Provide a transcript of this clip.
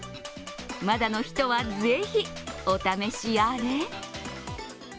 まだの人はぜひ、お試しあれ。